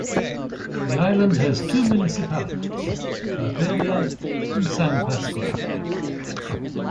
The Island has two municipalities, Claveria and San Pascual.